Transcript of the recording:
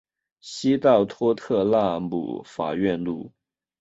西到托特纳姆法院路。